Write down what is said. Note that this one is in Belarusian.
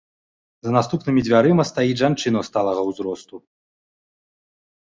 За наступнымі дзвярыма стаіць жанчына сталага ўзросту.